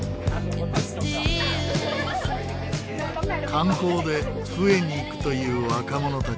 観光でフエに行くという若者たち。